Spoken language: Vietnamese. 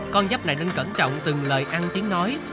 con dắp này nên cẩn trọng từng lời ăn tiếng nói